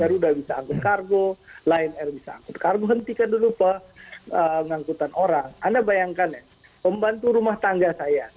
lalu sudah bisa angkut kargo line air bisa angkut kargo hentikan dulu pak mengangkutan orang anda bayangkan ya pembantu rumah tangga saya